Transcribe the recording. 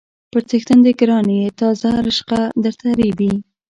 _پر څښتن دې ګران يې، تازه رشقه درته رېبي.